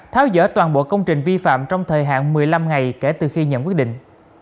tháo dỡ toàn bộ công trình vi phạm trong thời hạn một mươi năm ngày kể từ khi nhận quyết định